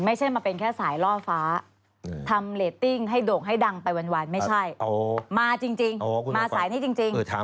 ไม่ใช่มาเป็นแค่สายล่อฟ้า